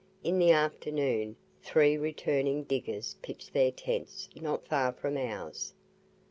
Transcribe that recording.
In the afternoon, three returning diggers pitched their tents not far from ours.